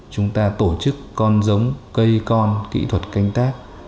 chúng ta tổ chức con giống cây con kỹ thuật canh tác